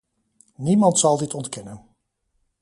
Niemand zal dit ontkennen.